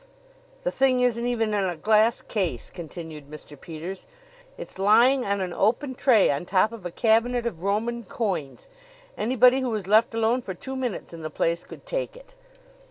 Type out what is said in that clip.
"The thing isn't even in a glass case," continued Mr. Peters. "It's lying on an open tray on top of a cabinet of Roman coins. Anybody who was left alone for two minutes in the place could take it!